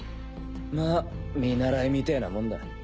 まぁ見習いみてぇなもんだ。